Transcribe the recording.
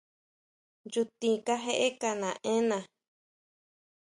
Nchutin kajeka naena.